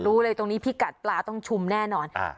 รู้เลยตรงนี้พี่กัดปลาต้องชุมแน่นอน